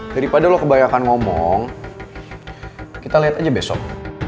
daripada lo kebanyakan ngomong kita lihat aja besok